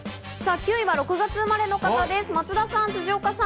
９位は６月生まれの方です、松田さん、辻岡さん。